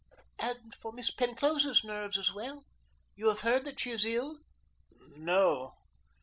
"And for Miss Penclosa's nerves as well. You have heard that she is ill?" "No."